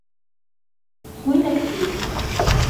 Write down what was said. Wwin-ak-t-id.